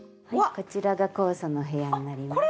こちらが酵素の部屋になります。